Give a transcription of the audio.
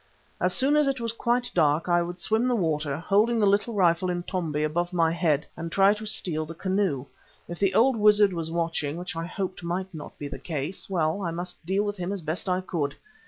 As soon as it was quite dark I would swim the water, holding the little rifle, Intombi, above my head, and try to steal the canoe. If the old wizard was watching, which I hoped might not be the case, well, I must deal with him as best I could.